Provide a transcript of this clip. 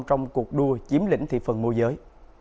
trong cuộc đua chiếm lĩnh thị phần mua giới